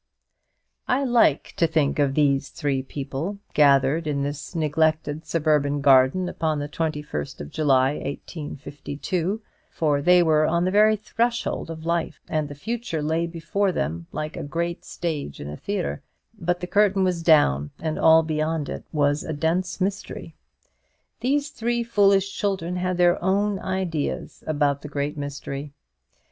I like to think of these three people gathered in this neglected suburban garden upon the 21st of July, 1852, for they were on the very threshold of life, and the future lay before them like a great stage in a theatre; but the curtain was down, and all beyond it was a dense mystery. These three foolish children had their own ideas about the great mystery.